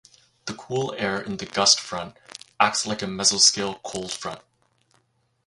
The cool air in the gust front acts like a mesoscale cold front.